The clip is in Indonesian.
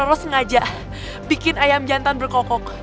kak roro sengaja bikin ayam jantan berkokok